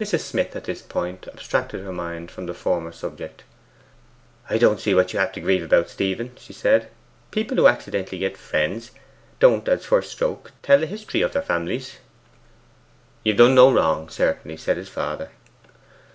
Mrs. Smith at this point abstracted her mind from the former subject. 'I don't see what you have to grieve about, Stephen,' she said. 'People who accidentally get friends don't, as a first stroke, tell the history of their families.' 'Ye've done no wrong, certainly,' said his father.